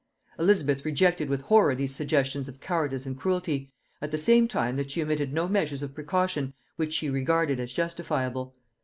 Elizabeth rejected with horror these suggestions of cowardice and cruelty, at the same time that she omitted no measures of precaution which she regarded as justifiable.